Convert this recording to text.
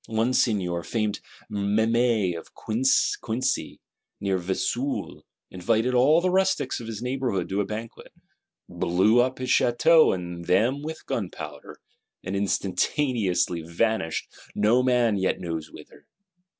One Seigneur, famed Memmay of Quincey, near Vesoul, invited all the rustics of his neighbourhood to a banquet; blew up his Château and them with gunpowder; and instantaneously vanished, no man yet knows whither.